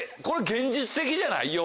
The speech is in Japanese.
これ現実的じゃない？